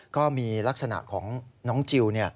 ก็มีลักษณะของน้องจิล